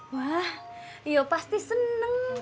wah iya pasti senang